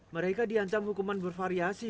mereka diancam hukuman bervariasi